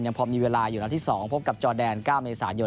พอมีเวลาอยู่นัดที่๒พบกับจอแดน๙เมษายน